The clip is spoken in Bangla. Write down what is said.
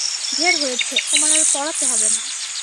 ঢের হয়েছে, তোমার আর পড়াতে হবে না।